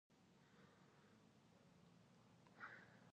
ل م ن ڼ و ه ء ی ي ې ۍ ئ